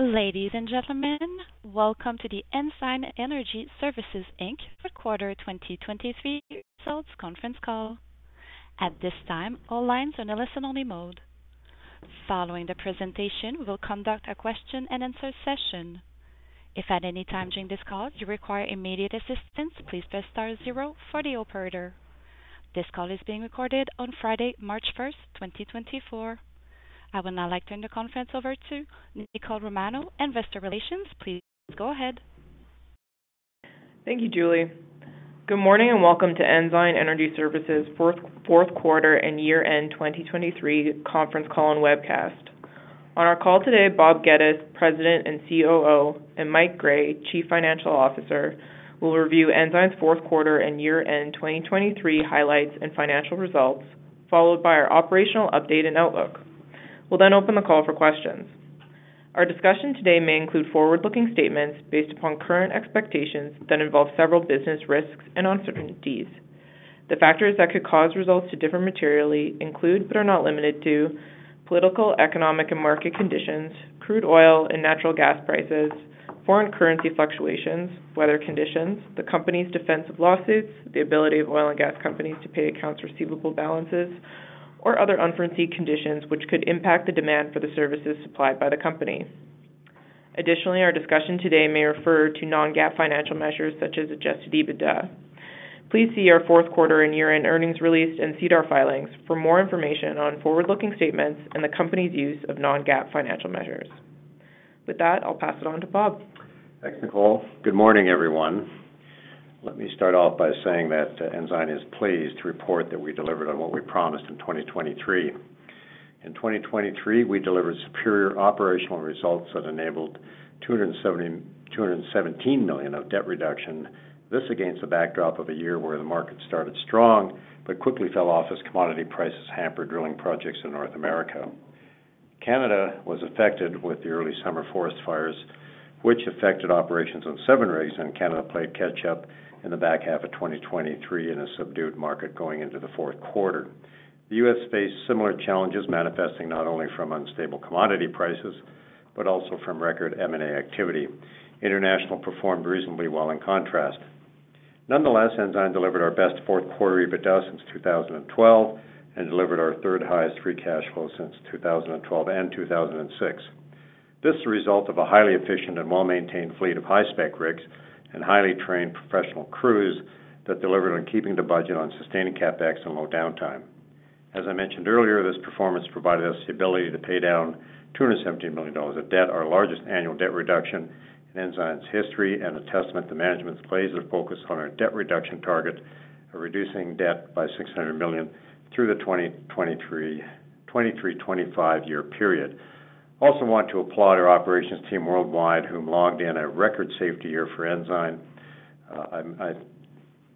Ladies and gentlemen, welcome to the Ensign Energy Services Inc. Third Quarter 2023 Results Conference Call. At this time, all lines are in a listen-only mode. Following the presentation, we will conduct a question-and-answer session. If at any time during this call you require immediate assistance, please press star zero for the operator. This call is being recorded on Friday, March first, twenty twenty-four. I would now like to turn the conference over to Nicole Romanow, Investor Relations. Please go ahead. Thank you, Julie. Good morning, and welcome to Ensign Energy Services fourth quarter and year-end 2023 conference call and webcast. On our call today, Rob Geddes, President and COO, and Mike Gray, Chief Financial Officer, will review Ensign's fourth quarter and year-end 2023 highlights and financial results, followed by our operational update and outlook. We'll then open the call for questions. Our discussion today may include forward-looking statements based upon current expectations that involve several business risks and uncertainties. The factors that could cause results to differ materially include, but are not limited to, political, economic, and market conditions, crude oil and natural gas prices, foreign currency fluctuations, weather conditions, the company's defensive lawsuits, the ability of oil and gas companies to pay accounts receivable balances, or other unforeseen conditions which could impact the demand for the services supplied by the company. Additionally, our discussion today may refer to non-GAAP financial measures such as Adjusted EBITDA. Please see our fourth quarter and year-end earnings release and SEDAR filings for more information on forward-looking statements and the company's use of non-GAAP financial measures. With that, I'll pass it on to Rob. Thanks, Nicole. Good morning, everyone. Let me start off by saying that Ensign is pleased to report that we delivered on what we promised in 2023. In 2023, we delivered superior operational results that enabled 217 million of debt reduction. This against the backdrop of a year where the market started strong, but quickly fell off as commodity prices hampered drilling projects in North America. Canada was affected with the early summer forest fires, which affected operations on seven rigs, and Canada played catch up in the back half of 2023 in a subdued market going into the fourth quarter. The U.S. faced similar challenges, manifesting not only from unstable commodity prices, but also from record M&A activity. International performed reasonably well in contrast. Nonetheless, Ensign delivered our best fourth quarter EBITDA since 2012 and delivered our third-highest free cash flow since 2012 and 2006. This is a result of a highly efficient and well-maintained fleet of high-spec rigs and highly trained professional crews that delivered on keeping the budget on sustaining CapEx and low downtime. As I mentioned earlier, this performance provided us the ability to pay down 217 million dollars of debt, our largest annual debt reduction in Ensign's history, and a testament to management's laser focus on our debt reduction target of reducing debt by 600 million through the 2023, 2023-2025 year period. Also want to applaud our operations team worldwide, who logged in a record safety year for Ensign. I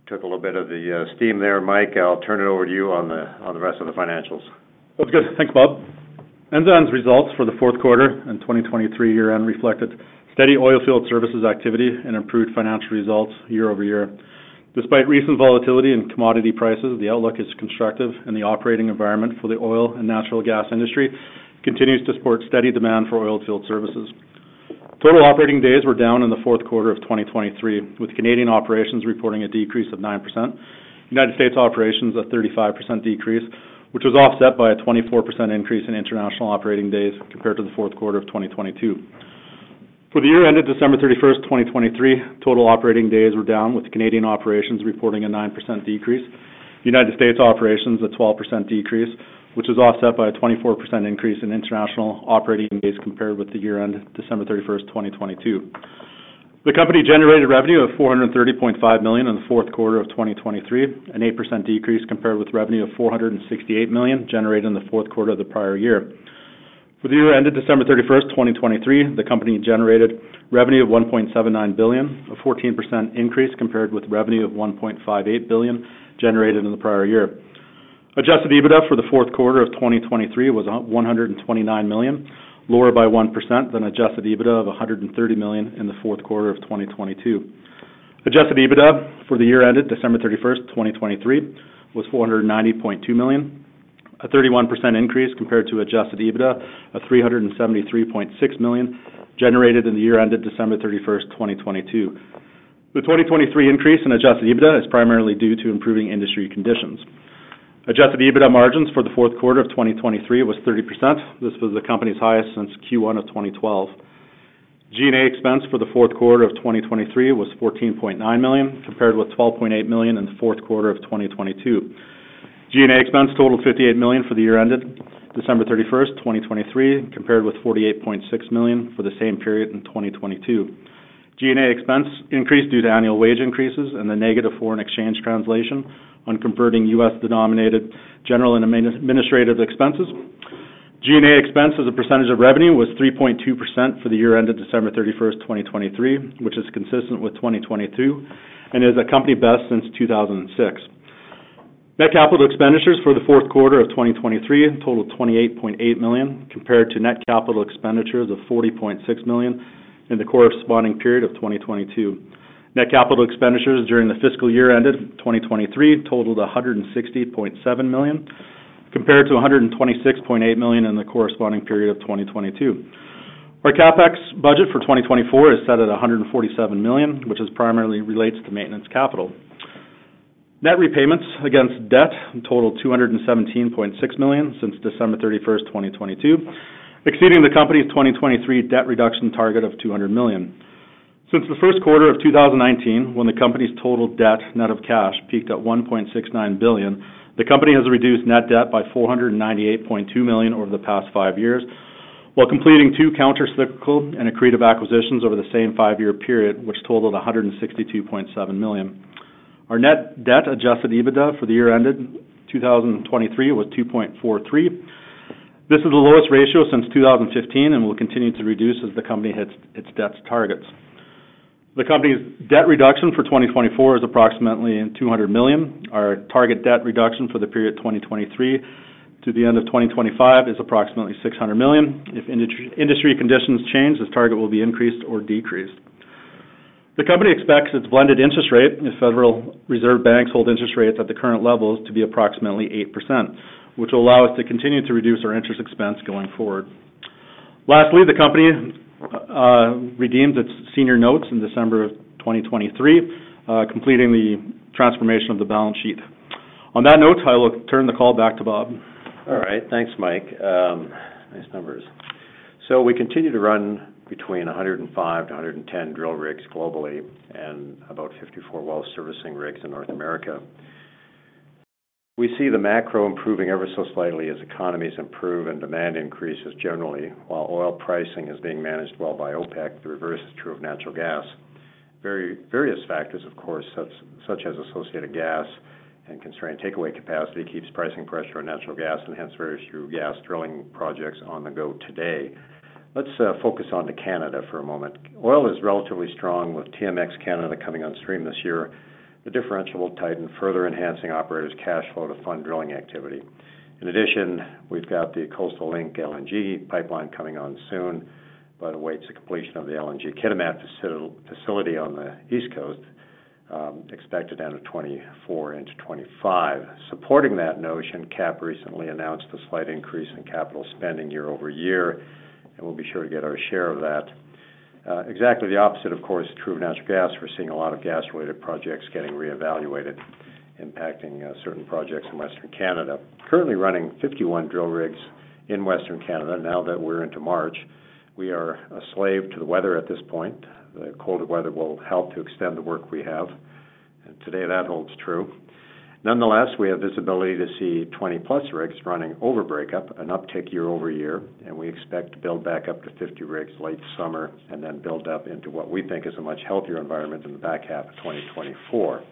took a little bit of the steam there, Mike. I'll turn it over to you on the rest of the financials. That's good. Thanks, Rob. Ensign's results for the fourth quarter and 2023 year-end reflected steady oilfield services activity and improved financial results year-over-year. Despite recent volatility in commodity prices, the outlook is constructive, and the operating environment for the oil and natural gas industry continues to support steady demand for oilfield services. Total operating days were down in the fourth quarter of 2023, with Canadian operations reporting a decrease of 9%, United States operations a 35% decrease, which was offset by a 24% increase in international operating days compared to the fourth quarter of 2022. For the year ended December 31st, 2023, total operating days were down, with Canadian operations reporting a 9% decrease. United States operations, a 12% decrease, which was offset by a 24% increase in international operating days compared with the year-end, December 31st, 2022. The company generated revenue of 430.5 million in the fourth quarter of 2023, an 8% decrease compared with revenue of 468 million generated in the fourth quarter of the prior year. For the year ended December 31st, 2023, the company generated revenue of 1.79 billion, a 14% increase compared with revenue of 1.58 billion generated in the prior year. Adjusted EBITDA for the fourth quarter of 2023 was 129 million, lower by 1% than Adjusted EBITDA of 130 million in the fourth quarter of 2022. Adjusted EBITDA for the year ended December 31st, 2023, was 490.2 million, a 31% increase compared to adjusted EBITDA of 373.6 million, generated in the year ended December 31st, 2022. The 2023 increase in adjusted EBITDA is primarily due to improving industry conditions. Adjusted EBITDA margins for the fourth quarter of 2023 was 30%. This was the company's highest since Q1 of 2012. G&A expense for the fourth quarter of 2023 was 14.9 million, compared with 12.8 million in the fourth quarter of 2022. G&A expense totaled 58 million for the year ended December 31st, 2023, compared with 48.6 million for the same period in 2022. G&A expense increased due to annual wage increases and the negative foreign exchange translation on converting U.S.-denominated general and administrative expenses. G&A expense as a percentage of revenue was 3.2% for the year ended December 31st, 2023, which is consistent with 2022 and is a company best since 2006. Net capital expenditures for the fourth quarter of 2023 totaled 28.8 million, compared to net capital expenditures of 40.6 million in the corresponding period of 2022. Net capital expenditures during the fiscal year ended 2023 totaled 160.7 million compared to 126.8 million in the corresponding period of 2022. Our CapEx budget for 2024 is set at 147 million, which is primarily relates to maintenance capital. Net repayments against debt totaled 217.6 million since December 31st, 2022, exceeding the company's 2023 debt reduction target of CAD 200 million. Since the first quarter of 2019, when the company's total debt, net of cash, peaked at CAD 1.69 billion, the company has reduced net debt by CAD 498.2 million over the past five years, while completing two countercyclical and accretive acquisitions over the same five-year period, which totaled 162.7 million. Our net debt Adjusted EBITDA for the year ended 2023 was 2.43. This is the lowest ratio since 2015, and will continue to reduce as the company hits its debt targets. The company's debt reduction for 2024 is approximately 200 million. Our target debt reduction for the period 2023 to the end of 2025 is approximately $600 million. If industry conditions change, this target will be increased or decreased. The company expects its blended interest rate, if Federal Reserve banks hold interest rates at the current levels, to be approximately 8%, which will allow us to continue to reduce our interest expense going forward. Lastly, the company redeemed its senior notes in December of 2023, completing the transformation of the balance sheet. On that note, I will turn the call back to Rob. All right. Thanks, Mike. Nice numbers. So we continue to run between 105 and 110 drill rigs globally, and about 54 well servicing rigs in North America. We see the macro improving ever so slightly as economies improve and demand increases generally, while oil pricing is being managed well by OPEC, the reverse is true of natural gas. Various factors, of course, such as associated gas and constrained takeaway capacity, keeps pricing pressure on natural gas and hence very few gas drilling projects on the go today. Let's focus on Canada for a moment. Oil is relatively strong, with TMX Canada coming on stream this year. The differential will tighten, further enhancing operators' cash flow to fund drilling activity. In addition, we've got the Coastal Link LNG pipeline coming on soon, but awaits the completion of the LNG Kitimat facility on the East Coast, expected end of 2024 into 2025. Supporting that notion, CAPP recently announced a slight increase in capital spending year-over-year, and we'll be sure to get our share of that. Exactly the opposite, of course, true of natural gas. We're seeing a lot of gas-related projects getting reevaluated, impacting certain projects in Western Canada. Currently running 51 drill rigs in Western Canada. Now that we're into March, we are a slave to the weather at this point. The colder weather will help to extend the work we have, and today that holds true. Nonetheless, we have visibility to see 20+ rigs running over Breakup, an uptick year-over-year, and we expect to build back up to 50 rigs late summer, and then build up into what we think is a much healthier environment in the back half of 2024.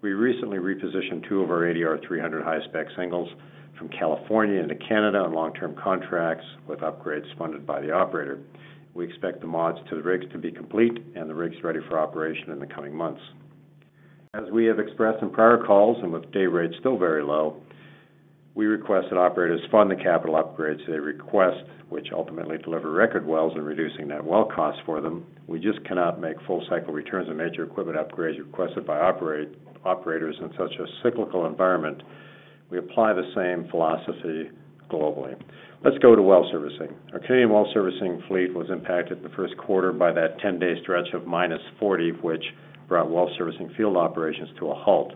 We recently repositioned two of our ADR 300 high-spec singles from California into Canada on long-term contracts with upgrades funded by the operator. We expect the mods to the rigs to be complete and the rigs ready for operation in the coming months. As we have expressed in prior calls, and with day rates still very low, we request that operators fund the capital upgrades they request, which ultimately deliver record wells and reducing net well costs for them. We just cannot make full-cycle returns on major equipment upgrades requested by operators in such a cyclical environment. We apply the same philosophy globally. Let's go to well servicing. Our Canadian well-servicing fleet was impacted the first quarter by that 10-day stretch of minus 40, which brought well servicing field operations to a halt.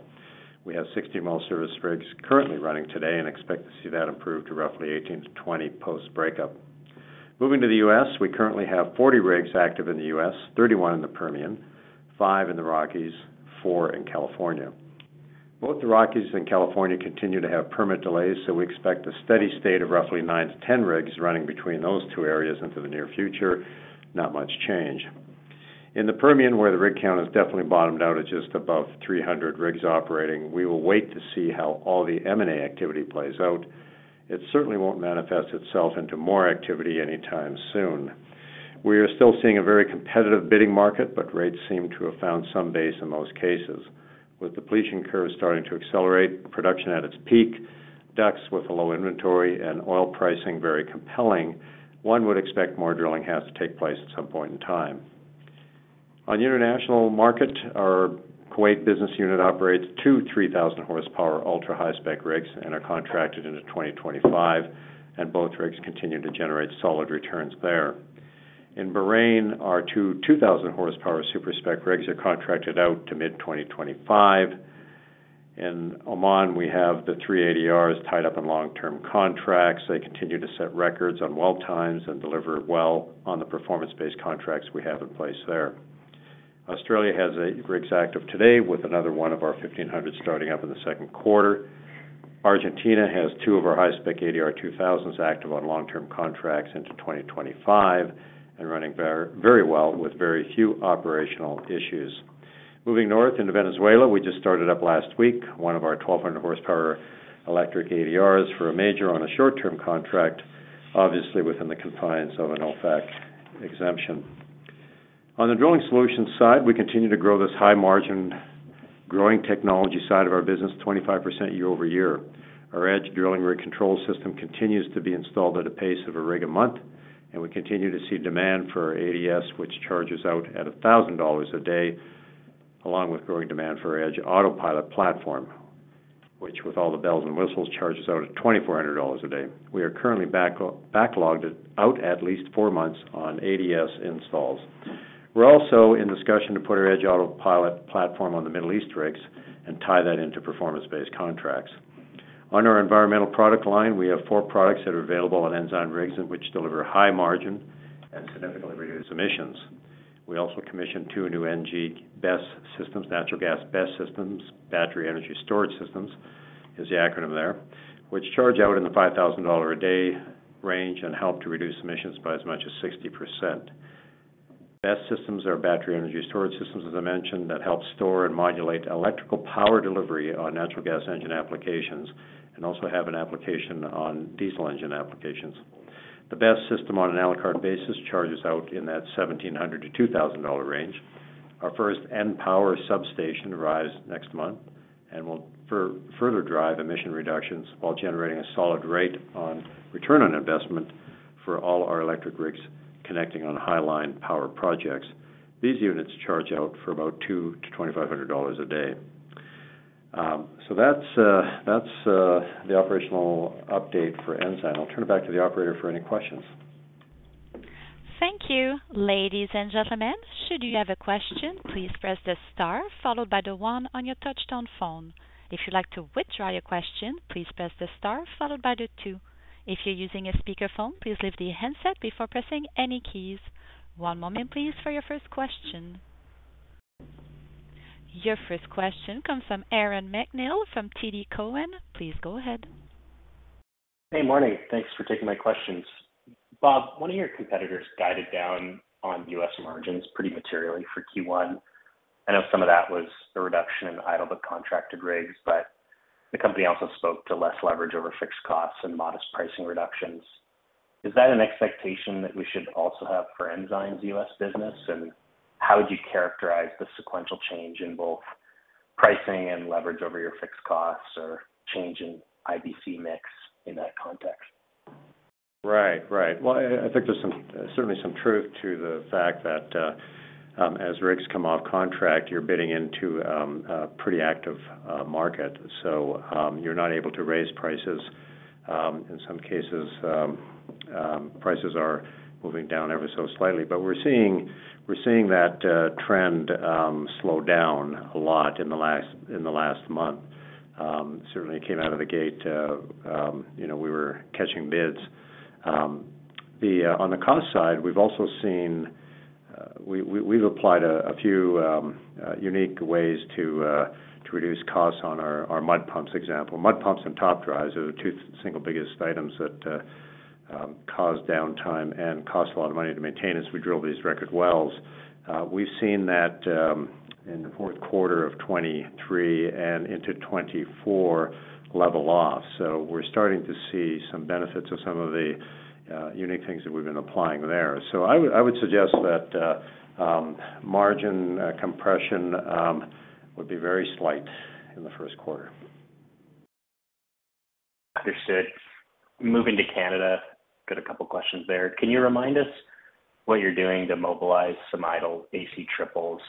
We have 60 well service rigs currently running today and expect to see that improve to roughly 18-20 post-breakup. Moving to the U.S., we currently have 40 rigs active in the U.S., 31 in the Permian, five in the Rockies, four in California. Both the Rockies and California continue to have permit delays, so we expect a steady state of roughly 9-10 rigs running between those two areas into the near future, not much change. In the Permian, where the rig count has definitely bottomed out at just above 300 rigs operating, we will wait to see how all the M&A activity plays out. It certainly won't manifest itself into more activity anytime soon. We are still seeing a very competitive bidding market, but rates seem to have found some base in most cases. With depletion curves starting to accelerate, production at its peak, DUCs with a low inventory, and oil pricing very compelling, one would expect more drilling has to take place at some point in time. On the international market, our Kuwait business unit operates two 3,000 horsepower, ultra-high-spec rigs and are contracted into 2025, and both rigs continue to generate solid returns there. In Bahrain, our two 2,000 horsepower super-spec rigs are contracted out to mid-2025. In Oman, we have the three ADRs tied up in long-term contracts. They continue to set records on well times and deliver well on the performance-based contracts we have in place there. Australia has eight rigs active today, with another one of our 1,500 starting up in the second quarter. Argentina has two of our high-spec ADR 2000s active on long-term contracts into 2025 and running very, very well with very few operational issues. Moving north into Venezuela, we just started up last week, one of our 1,200 horsepower electric ADRs for a major on a short-term contract, obviously within the compliance of an OFAC exemption. On the drilling solutions side, we continue to grow this high-margin, growing technology side of our business, 25% year-over-year. Our EDGE drilling rig control system continues to be installed at a pace of a rig a month, and we continue to see demand for our ADS, which charges out at $1,000 a day.... along with growing demand for EDGE Autopilot platform, which with all the bells and whistles, charges out at $2,400 a day. We are currently backlogged out at least four months on ADS installs. We're also in discussion to put our EDGE Autopilot platform on the Middle East rigs and tie that into performance-based contracts. On our environmental product line, we have four products that are available on Ensign rigs, and which deliver high margin and significantly reduce emissions. We also commissioned two new NG BESS systems, natural gas BESS systems, battery energy storage systems, is the acronym there, which charge out in the $5,000 a day range and help to reduce emissions by as much as 60%. BESS systems are battery energy storage systems, as I mentioned, that help store and modulate electrical power delivery on natural gas engine applications, and also have an application on diesel engine applications. The BESS system on an a la carte basis charges out in that $1,700-$2,000 range. Our first EnPower Substation arrives next month and will further drive emission reductions while generating a solid rate on return on investment for all our electric rigs connecting on high line power projects. These units charge out for about $2,000-$2,500 a day. So that's the operational update for Ensign. I'll turn it back to the operator for any questions. Thank you. Ladies and gentlemen, should you have a question, please press the star followed by the one on your touchtone phone. If you'd like to withdraw your question, please press the star followed by the two. If you're using a speakerphone, please leave the handset before pressing any keys. One moment please, for your first question. Your first question comes from Aaron MacNeil from TD Cowen. Please go ahead. Hey, morning. Thanks for taking my questions. Rob, one of your competitors guided down on U.S. margins pretty materially for Q1. I know some of that was the reduction in idle but contracted rigs, but the company also spoke to less leverage over fixed costs and modest pricing reductions. Is that an expectation that we should also have for Ensign's U.S. business? And how would you characterize the sequential change in both pricing and leverage over your fixed costs or change in IBC mix in that context? Right. Right. Well, I think there's some certainly some truth to the fact that as rigs come off contract, you're bidding into a pretty active market, so you're not able to raise prices. In some cases, prices are moving down ever so slightly. But we're seeing that trend slow down a lot in the last month. Certainly came out of the gate, you know, we were catching bids. On the cost side, we've also seen we've applied a few unique ways to reduce costs on our mud pumps, example. Mud pumps and top drives are the two single biggest items that cause downtime and cost a lot of money to maintain as we drill these record wells. We've seen that in the fourth quarter of 2023 and into 2024, level off. So we're starting to see some benefits of some of the unique things that we've been applying there. So I would, I would suggest that margin compression would be very slight in the first quarter. Understood. Moving to Canada, got a couple of questions there. Can you remind us what you're doing to mobilize some idle AC triples?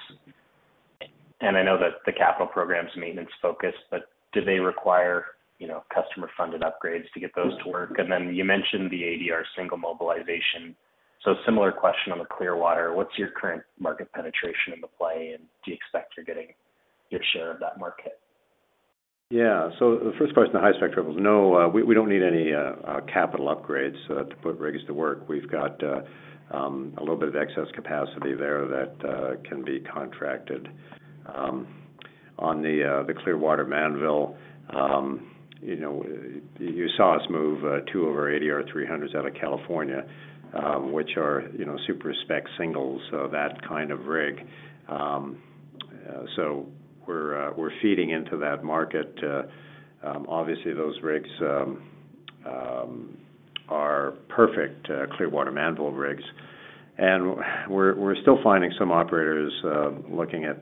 And I know that the capital program is maintenance-focused, but do they require, you know, customer-funded upgrades to get those to work? And then you mentioned the ADR single mobilization. So similar question on the Clearwater. What's your current market penetration in the play, and do you expect you're getting your share of that market? Yeah. So the first question, the high-spec triples. No, we don't need any capital upgrades to put rigs to work. We've got a little bit of excess capacity there that can be contracted. On the Clearwater Mannville, you know, you saw us move two of our ADR 300s out of California, which are, you know, super-spec singles, so that kind of rig. So we're feeding into that market. Obviously, those rigs are perfect Clearwater Mannville rigs, and we're still finding some operators looking at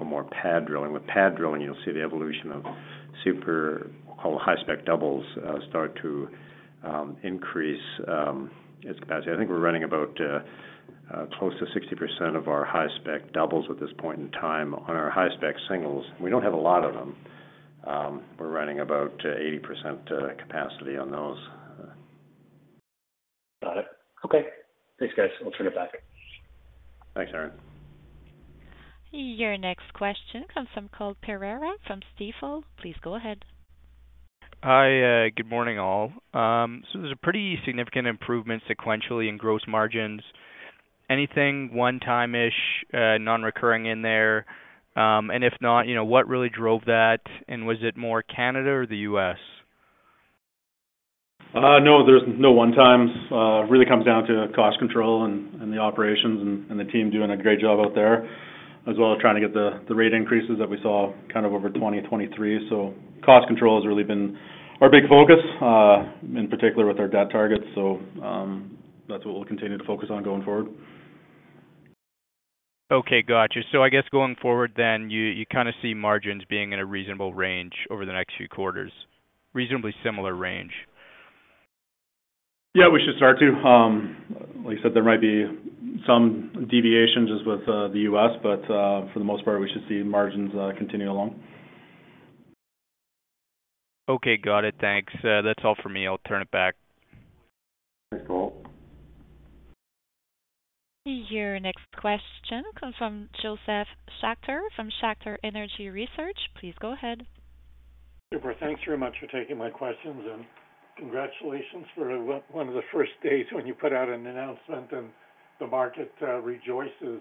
a more pad drilling. With pad drilling, you'll see the evolution of super high-spec doubles start to increase its capacity. I think we're running about close to 60% of our high-spec doubles at this point in time. On our high-spec singles, we don't have a lot of them, we're running about 80% capacity on those. Got it. Okay. Thanks, guys. I'll turn it back. Thanks, Aaron. Your next question comes from Cole Pereira from Stifel. Please go ahead. Hi, good morning, all. So there's a pretty significant improvement sequentially in gross margins. Anything one-time-ish, non-recurring in there? And if not, you know, what really drove that, and was it more Canada or the U.S.? No, there's no one times. It really comes down to cost control and, and the operations and, and the team doing a great job out there, as well as trying to get the, the rate increases that we saw kind of over 2023. So cost control has really been our big focus, in particular with our debt targets. So, that's what we'll continue to focus on going forward. Okay, got you. So I guess going forward then, you kind of see margins being in a reasonable range over the next few quarters, reasonably similar range? ... Yeah, we should start to. Like you said, there might be some deviations as with the U.S., but for the most part, we should see margins continue along. Okay, got it. Thanks. That's all for me. I'll turn it back. Thanks, Paul. Your next question comes from Joseph Schachter from Schachter Energy Research. Please go ahead. Super. Thanks very much for taking my questions, and congratulations for one of the first days when you put out an announcement and the market rejoices. So-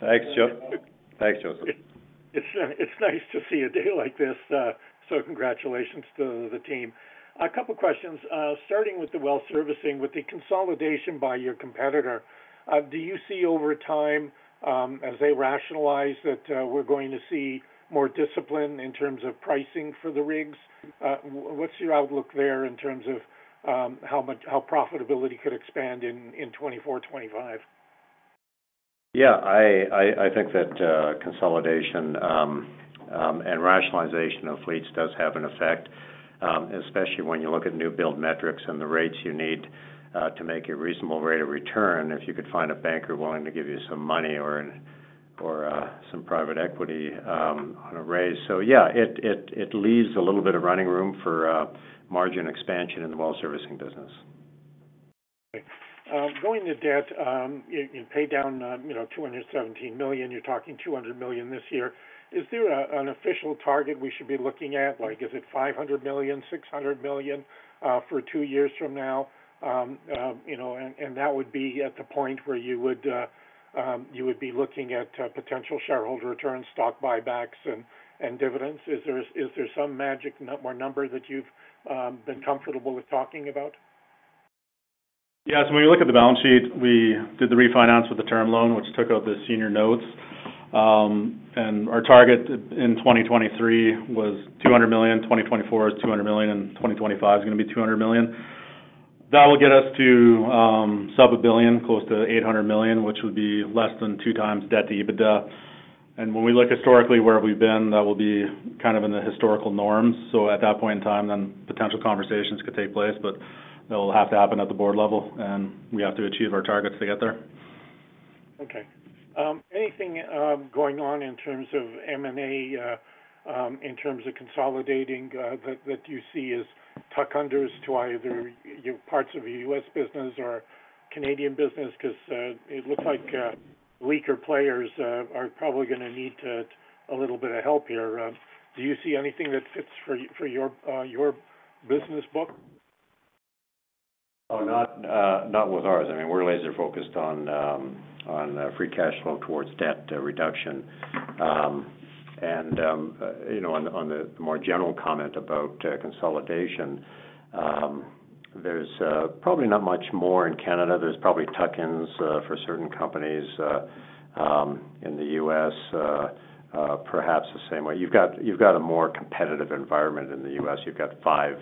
Thanks, Joe. Thanks, Joseph. It's nice to see a day like this, so congratulations to the team. A couple questions, starting with the well servicing, with the consolidation by your competitor, do you see over time, as they rationalize, that we're going to see more discipline in terms of pricing for the rigs? What's your outlook there in terms of how much profitability could expand in 2024, 2025? Yeah, I think that consolidation and rationalization of fleets does have an effect, especially when you look at new build metrics and the rates you need to make a reasonable rate of return, if you could find a banker willing to give you some money or some private equity on a raise. So yeah, it leaves a little bit of running room for margin expansion in the well servicing business. Okay. Going to debt, you, you paid down, you know, 217 million. You're talking 200 million this year. Is there an official target we should be looking at? Like, is it 500 million, 600 million, for two years from now? You know, and, and that would be at the point where you would, you would be looking at, potential shareholder returns, stock buybacks and, and dividends. Is there, is there some magic number that you've, been comfortable with talking about? Yes, when you look at the balance sheet, we did the refinance with the term loan, which took out the senior notes. Our target in 2023 was 200 million, 2024 is 200 million, and 2025 is gonna be 200 million. That will get us to sub 1 billion, close to 800 million, which would be less than 2x debt to EBITDA. When we look historically where we've been, that will be kind of in the historical norms. So at that point in time, then potential conversations could take place, but that will have to happen at the board level, and we have to achieve our targets to get there. Okay. Anything going on in terms of M&A in terms of consolidating that you see as tuck-unders to either your parts of the U.S. business or Canadian business? Because it looks like weaker players are probably gonna need to a little bit of help here. Do you see anything that fits for your your business book? Oh, not with ours. I mean, we're laser-focused on free cash flow towards debt reduction. You know, on the more general comment about consolidation, there's probably not much more in Canada. There's probably tuck-ins for certain companies in the U.S., perhaps the same way. You've got a more competitive environment in the U.S. You've got five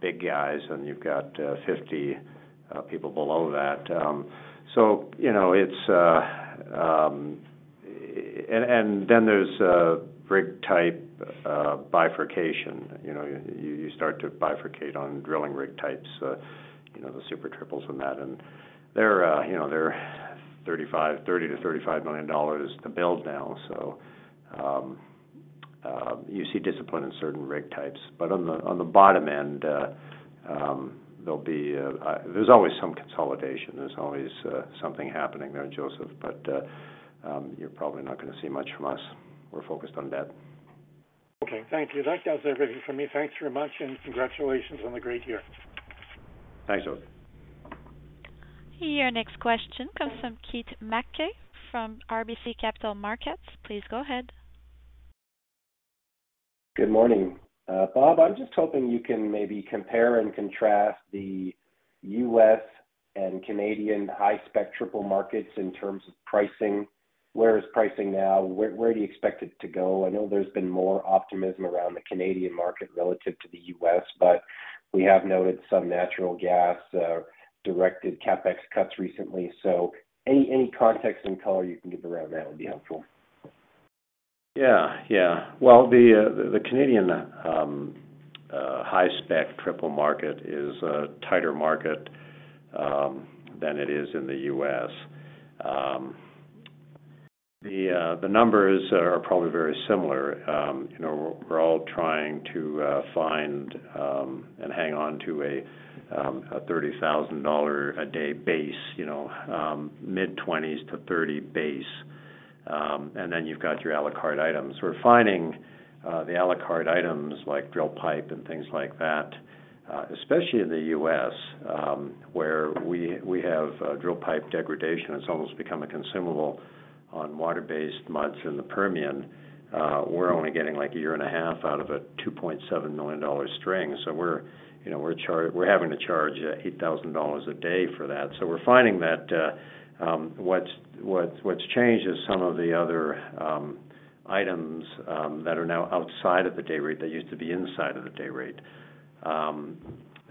big guys, and you've got 50 people below that. So you know, it's... And then there's a rig-type bifurcation. You know, you start to bifurcate on drilling rig types, you know, the super triples and that. And they're, you know, they're $30 million-$35 million to build now, so you see discipline in certain rig types. But on the bottom end, there's always some consolidation. There's always something happening there, Joseph, but you're probably not gonna see much from us. We're focused on debt. Okay, thank you. That does everything for me. Thanks very much, and congratulations on the great year. Thanks, Joseph. Your next question comes from Keith Mackey from RBC Capital Markets. Please go ahead. Good morning. Rob, I'm just hoping you can maybe compare and contrast the U.S. and Canadian high-spec triple markets in terms of pricing. Where is pricing now? Where, where do you expect it to go? I know there's been more optimism around the Canadian market relative to the U.S., but we have noted some natural gas directed CapEx cuts recently. So any, any context and color you can give around that would be helpful. Yeah, yeah. Well, the Canadian high-spec triple market is a tighter market than it is in the U.S. The numbers are probably very similar. You know, we're all trying to find and hang on to a $30,000-a-day base, you know, mid-$20,000s-$30,000 base. And then you've got your à la carte items. We're finding the à la carte items like drill pipe and things like that, especially in the U.S., where we have drill pipe degradation. It's almost become a consumable on water-based muds in the Permian. We're only getting, like, a year and a half out of a $2.7 million string. So we're, you know, we're having to charge $8,000 a day for that. So we're finding that what's changed is some of the other items that are now outside of the day rate, that used to be inside of the day rate.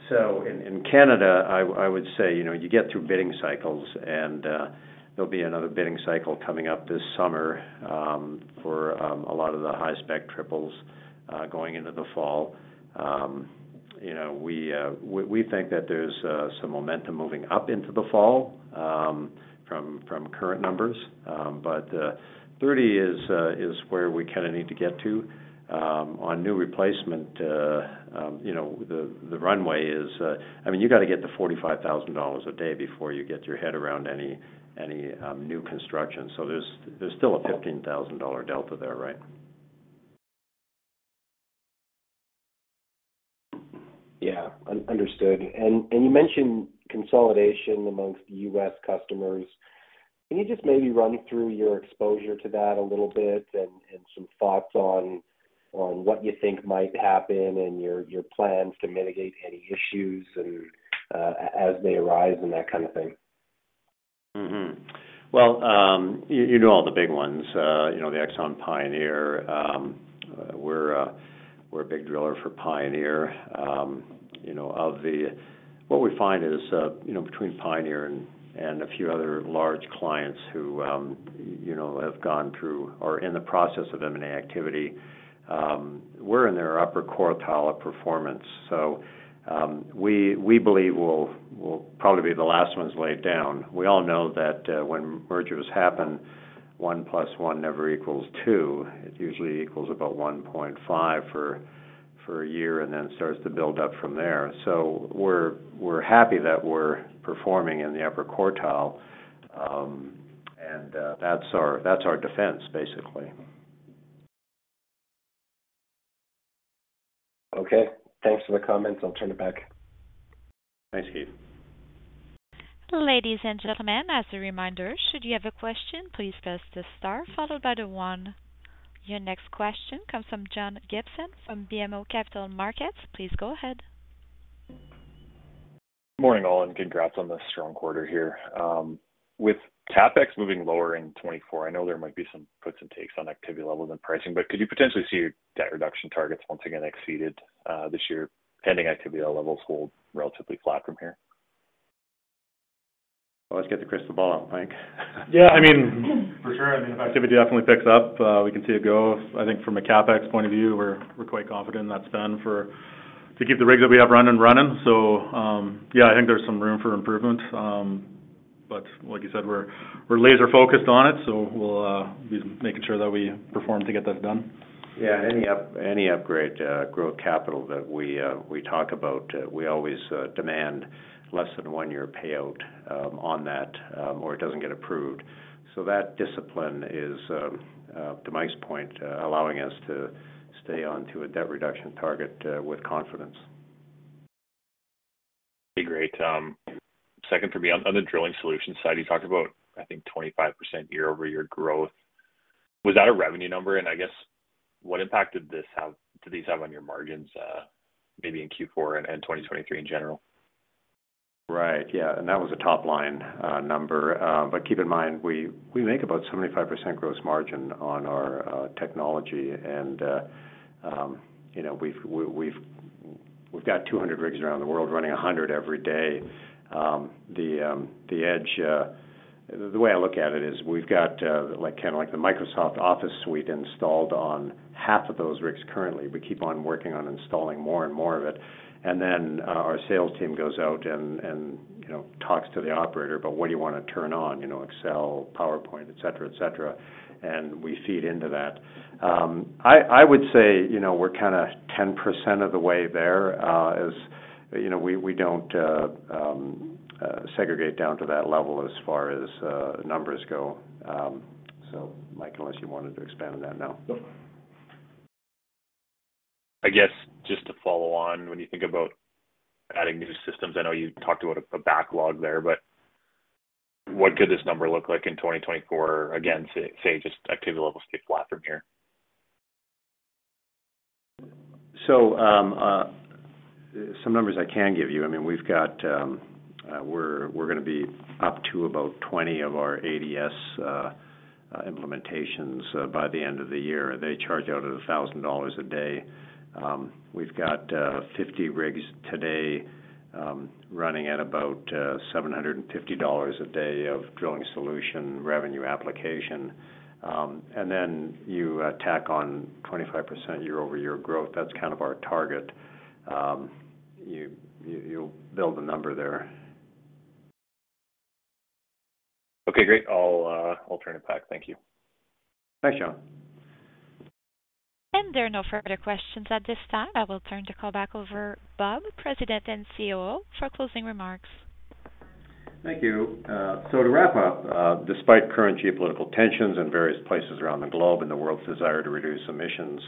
So in Canada, I would say, you know, you get through bidding cycles, and there'll be another bidding cycle coming up this summer for a lot of the high-spec triples going into the fall. You know, we think that there's some momentum moving up into the fall from current numbers. But 30 is where we kinda need to get to. On new replacement, you know, the runway is I mean, you got to get to $45,000 a day before you get your head around any new construction. So there's still a $15,000 delta there, right? Yeah, understood. You mentioned consolidation among the U.S. customers. Can you just maybe run through your exposure to that a little bit, and some thoughts on what you think might happen and your plans to mitigate any issues as they arise and that kind of thing? Well, you know all the big ones, you know, the Exxon Pioneer, we're a big driller for Pioneer. You know, of the—what we find is, you know, between Pioneer and a few other large clients who, you know, have gone through or are in the process of M&A activity, we're in their upper quartile of performance. So, we believe we'll probably be the last ones laid down. We all know that when mergers happen, 1 + 1 never equals 2. It usually equals about 1.5 for a year, and then starts to build up from there. So we're happy that we're performing in the upper quartile. And that's our defense, basically. Okay, thanks for the comments. I'll turn it back. Thanks, Keith. Ladies and gentlemen, as a reminder, should you have a question, please press the star followed by the one. Your next question comes from John Gibson, from BMO Capital Markets. Please go ahead. Good morning, all, and congrats on the strong quarter here. With CapEx moving lower in 2024, I know there might be some puts and takes on activity levels and pricing, but could you potentially see your debt reduction targets once again exceeded, this year, pending activity levels hold relatively flat from here? Let's get the crystal ball out, Mike. Yeah, I mean, for sure. I mean, if activity definitely picks up, we can see it go. I think from a CapEx point of view, we're quite confident in that spend. To keep the rigs that we have running, running. So, yeah, I think there's some room for improvement. But like you said, we're laser-focused on it, so we'll be making sure that we perform to get that done. Yeah, any upgrade, growth capital that we talk about, we always demand less than one-year payout on that, or it doesn't get approved. So that discipline is, to Mike's point, allowing us to stay on to a debt reduction target with confidence. Great. Second for me, on the drilling solution side, you talked about, I think, 25% year-over-year growth. Was that a revenue number? And I guess, what impact did this have, do these have on your margins, maybe in Q4 and 2023 in general? Right. Yeah, and that was a top line number. But keep in mind, we make about 75% gross margin on our technology, and, you know, we've got 200 rigs around the world running 100 every day. The edge. The way I look at it is, we've got, like, kinda like the Microsoft Office suite installed on half of those rigs currently. We keep on working on installing more and more of it, and then our sales team goes out and, you know, talks to the operator about what do you wanna turn on, you know, Excel, PowerPoint, et cetera, et cetera, and we feed into that. I would say, you know, we're kinda 10% of the way there, as you know, we don't segregate down to that level as far as numbers go. So Mike, unless you wanted to expand on that now? Nope. I guess, just to follow on, when you think about adding new systems, I know you talked about a backlog there, but what could this number look like in 2024? Again, say, just activity levels stay flat from here. So, some numbers I can give you, I mean, we've got, we're gonna be up to about 20 of our ADS implementations by the end of the year. They charge out at $1,000 a day. We've got, 50 rigs today, running at about, $750 a day of drilling solution, revenue application. And then you tack on 25% year-over-year growth. That's kind of our target. You, you'll build the number there. Okay, great. I'll, I'll turn it back. Thank you. Thanks, John. There are no further questions at this time. I will turn the call back over to Rob, President and COO, for closing remarks. Thank you. So to wrap up, despite current geopolitical tensions in various places around the globe and the world's desire to reduce emissions,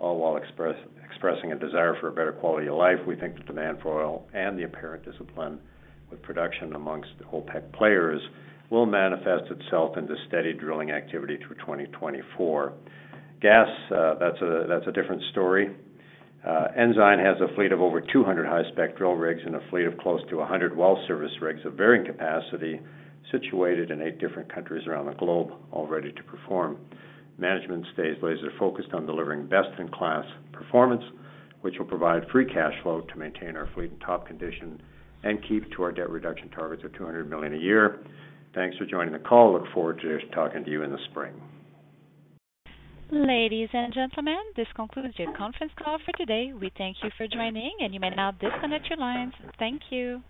all while expressing a desire for a better quality of life, we think the demand for oil and the apparent discipline with production amongst the OPEC players will manifest itself into steady drilling activity through 2024. Gas, that's a different story. Ensign has a fleet of over 200 high-spec drill rigs and a fleet of close to 100 well service rigs of varying capacity, situated in eight different countries around the globe, all ready to perform. Management stays laser-focused on delivering best-in-class performance, which will provide free cash flow to maintain our fleet in top condition and keep to our debt reduction targets of 200 million a year. Thanks for joining the call. Look forward to talking to you in the spring. Ladies and gentlemen, this concludes your conference call for today. We thank you for joining, and you may now disconnect your lines. Thank you.